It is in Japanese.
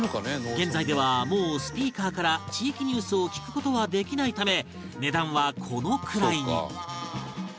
現在ではもうスピーカーから地域ニュースを聞く事はできないため値段はこのくらいに